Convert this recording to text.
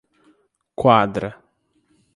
Quadra